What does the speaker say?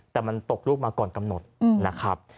แต่มันตกลูกมาก่อนกำหนดนะครับ